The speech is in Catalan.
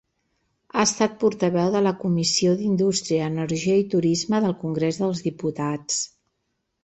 Ha estat portaveu de la Comissió d'Indústria, Energia i Turisme del Congrés dels Diputats.